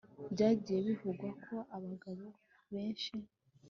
byagiye bivugwa ko abagabo benshi